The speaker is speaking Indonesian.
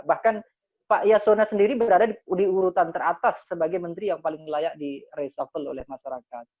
bahkan pak yasona sendiri berada di urutan teratas sebagai menteri yang paling layak di reshuffle oleh masyarakat